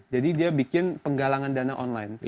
jadi dia bikin penggalangan dana online